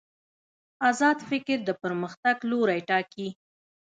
ازاد فکر د پرمختګ لوری ټاکي.